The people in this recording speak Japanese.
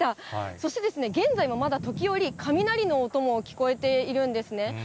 そして、現在もまだ時折、雷の音も聞こえているんですね。